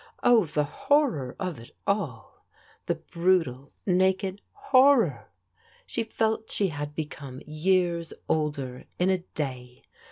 Oh, the horror of it all f The brutal, naked honor! She felt she had become years older in a day.